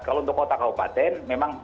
kalau untuk kota kabupaten memang